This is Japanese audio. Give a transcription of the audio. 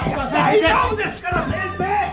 大丈夫ですから先生！